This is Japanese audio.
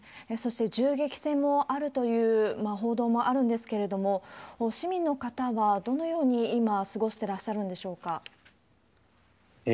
そして銃撃戦もあるという報道もあるんですけれども、市民の方はどのように今、過ごしてらっしゃるんでしょうか？